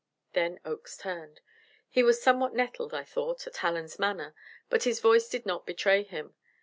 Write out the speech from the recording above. Then Oakes turned. He was somewhat nettled, I thought, at Hallen's manner, but his voice did not betray him.